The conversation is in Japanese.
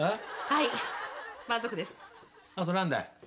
はい。